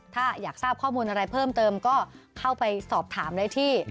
ถ้าอยากทราบข้อมูลอะไรเพิ่มเติมก็เข้าไปสอบถามได้ที่